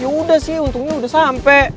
ya udah sih untungnya udah sampai